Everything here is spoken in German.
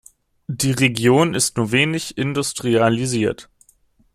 Die Region ist nur wenig industrialisiert.